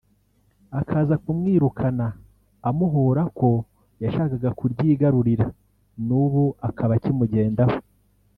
akaza kumwirukana amuhora ko yashakaga kuryigarurira n’ubu akaba akimugendaho